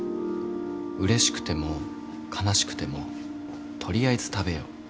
うれしくても悲しくても取りあえず食べよう。